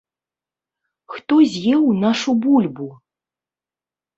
Хто з'еў нашу бульбу?